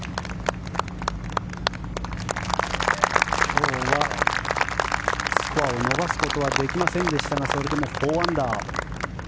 今日はスコアを伸ばすことはできませんでしたがそれでも４アンダー。